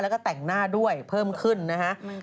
แล้วก็แต่งหน้าด้วยเพิ่มขึ้นนะฮะ